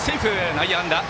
内野安打。